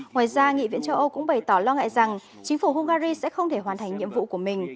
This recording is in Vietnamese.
ngoài ra nghị viện châu âu cũng bày tỏ lo ngại rằng chính phủ hungary sẽ không thể hoàn thành nhiệm vụ của mình